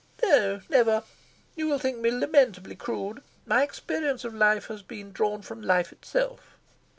"No, never. You will think me lamentably crude: my experience of life has been drawn from life itself."